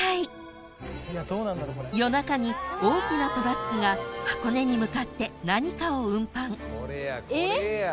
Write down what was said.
［夜中に大きなトラックが箱根に向かって何かを運搬］